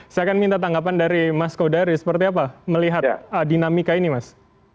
saya akan minta tanggapan dari mas kodari seperti apa melihat dinamika ini mas